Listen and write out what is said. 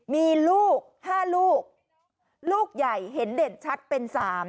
มีลูก๕ลูกลูกใหญ่เห็นเด่นชัดเป็น๓